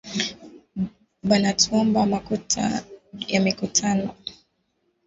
Banatuomba makuta ya mikutano